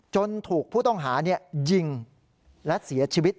ถูกผู้ต้องหายิงและเสียชีวิต